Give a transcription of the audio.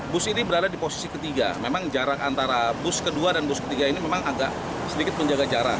bus ini berada di posisi ketiga memang jarak antara bus kedua dan bus ketiga ini memang agak sedikit menjaga jarak